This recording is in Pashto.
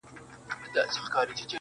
ول بازار ته څه وړې، ول طالع.